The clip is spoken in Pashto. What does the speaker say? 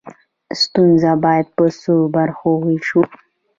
ستونزه باید په څو برخو وویشو.